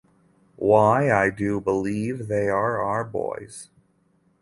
Why, I do believe they are our boys!